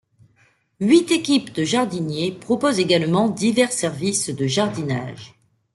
Huit équipes de jardiniers proposent également divers services de jardinage.